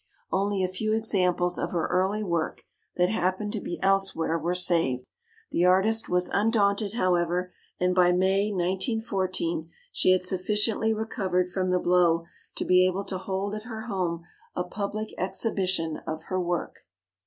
Only a few examples of her early work, that happened to be else where, were saved. The artist was un daunted, however, and by May, 1914, she had sufficiently recovered from the blow to be able to hold at her home a public exhi bition of her work.